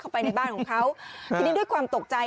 ไปในบ้านของเขาทีนี้ด้วยความตกใจ